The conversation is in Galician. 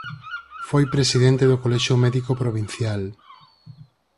Foi presidente do colexio médico provincial.